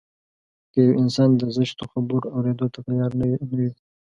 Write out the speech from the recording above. که يو انسان د زشتو خبرو اورېدو ته تيار نه وي.